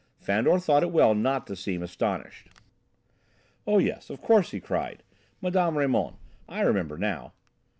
Fandor thought it well not to seem astonished. "Oh, yes, of course," he cried, "Mme. Raymond. I remember now.